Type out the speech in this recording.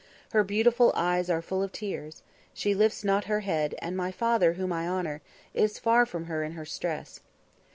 Her beautiful eyes are full of tears, she lifts not her head, and my father, whom I honour, is far from her in her stress.